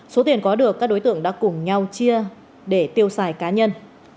số tiền có được các đối tượng đã cùng nhau chia để tiêu xài cá nhân